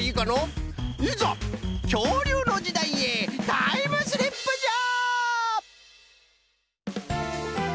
いざきょうりゅうのじだいへタイムスリップじゃ！